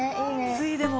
ついでも。